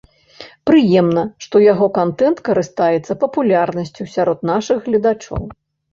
Прыемна, што яго кантэнт карыстаецца папулярнасцю сярод нашых гледачоў.